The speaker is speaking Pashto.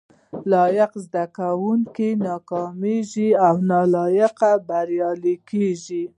لایق زده کوونکي ناکامیږي او نالایق بریالي کیږي